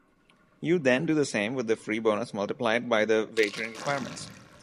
You then do the same with the free bonus multiplied by the wagering requirements.